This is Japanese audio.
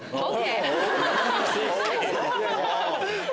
ＯＫ！